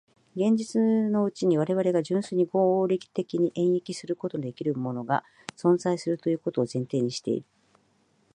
現実のうちに我々が純粋に合理的に演繹することのできぬものが存在するということを前提している。